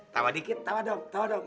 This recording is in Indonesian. tawa dikit tawa dong